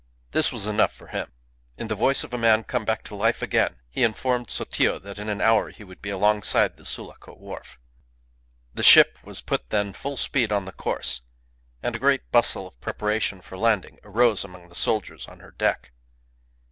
This was enough for him. In the voice of a man come back to life again, he informed Sotillo that in an hour he would be alongside the Sulaco wharf. The ship was put then full speed on the course, and a great bustle of preparation for landing arose among the soldiers on her deck.